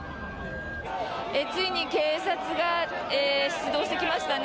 ついに警察が出動してきましたね。